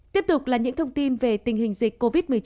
tiếp tục là những thông tin về tình hình dịch covid một mươi chín